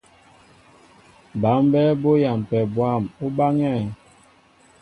Bǎ mbɛ́ɛ́ bú yampɛ bwâm, ú báŋɛ́ɛ̄.